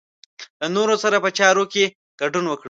له نورو سره په چارو کې ګډون وکړئ.